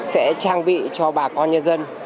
sẽ trang bị cho bà con nhân dân